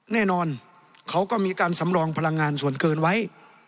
แน่นอนเขาก็มีการสำรองพลังงานส่วนเกินไว้